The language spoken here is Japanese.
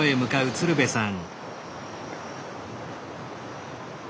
鶴瓶さん！